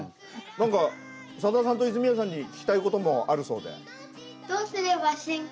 何かさださんと泉谷さんに聞きたいこともあるそうで。